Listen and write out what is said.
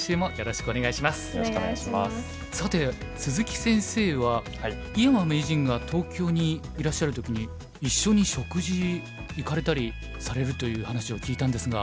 さて鈴木先生は井山名人が東京にいらっしゃる時に一緒に食事行かれたりされるという話を聞いたんですが。